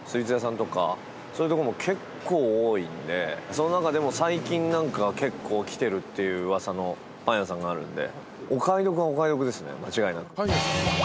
その中でも最近何か結構きてるっていう噂のパン屋さんがあるんで。